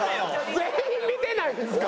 全員見てないんですか？